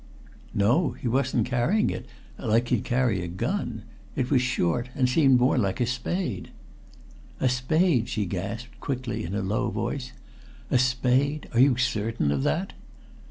"No, he wasn't carrying it like he'd carry a gun. It was short and seemed more like a spade." "A spade!" she gasped quickly in a low voice. "A spade! Are you certain of that?"